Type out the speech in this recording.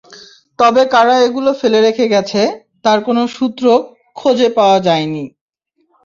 তবে কারা এগুলো ফেলে রেখে গেছে, তার কোনো সূত্র খোঁজে পায়নি তারা।